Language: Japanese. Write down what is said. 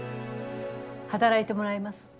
働いてもらいます。